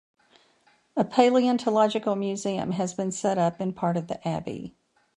A paleontological museum has been set up in part of the abbey.